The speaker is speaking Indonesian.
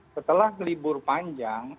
setelah gelibur panjang